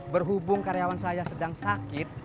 berhubung karyawan saya sedang sakit